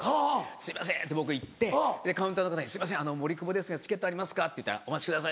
「すいません」って僕行ってカウンターの方に「すいません森久保ですがチケットありますか？」って言ったら「お待ちください」